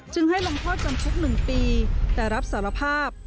ให้ลงโทษจำคุก๑ปีแต่รับสารภาพ